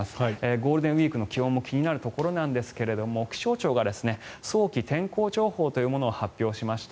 ゴールデンウィークの気温も気になるところなんですが気象庁が早期天候情報というものを発表しました。